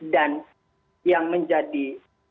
dan yang menjadi akan kalah